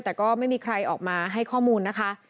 แต่ก็ไม่มีใครออกมาให้ข้อมูลนะคะ